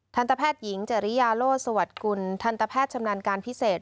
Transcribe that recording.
ทันตแพทย์หญิงจริยาโลสวัสดิ์กุลทันตแพทย์ชำนาญการพิเศษ